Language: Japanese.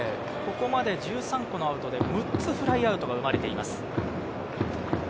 ここまで１３個のアウトで６つフライアウトが生まれています。